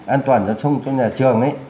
an toàn giao thông trong nhà trường